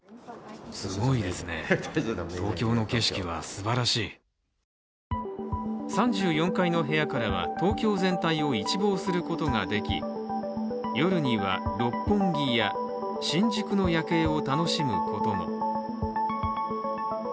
そして３４階の部屋からは、東京全体を一望することができ夜には六本木や新宿の夜景を楽しむことも。